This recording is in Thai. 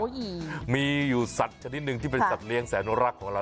อีกมีอยู่สัตว์ชนิดหนึ่งที่เป็นสัตว์เลี้ยงแสนรักของเรา